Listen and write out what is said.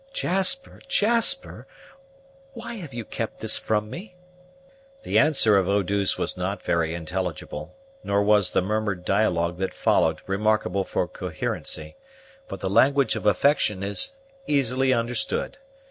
"Jasper! Jasper! Why have you kept this from me?" The answer of Eau douce was not very intelligible, nor was the murmured dialogue that followed remarkable for coherency. But the language of affection is easily understood.